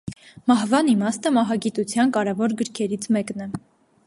Մահվան իմաստը մահագիտության կարևոր գրքերից մեկն է։